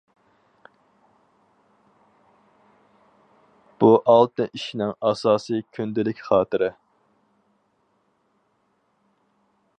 بۇ ئالتە ئىشنىڭ ئاساسىي كۈندىلىك خاتىرە.